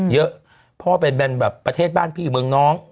เพราะเป็นแบรนด์แบบประเทศบ้านพี่เมืองน้อง